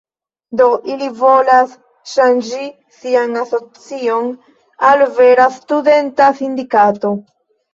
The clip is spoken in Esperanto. Do ili volas ŝanĝi sian asocion al vera studenta sindikato.